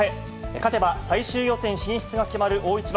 勝てば最終予選進出が決まる大一番。